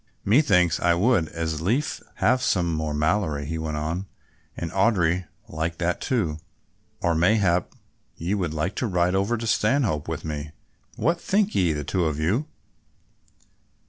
"Methinks I would as lief have some more Malory," he went on, "and Audry would like that too, or mayhap ye would like to ride over to Stanhope with me, what think ye, the two of you?"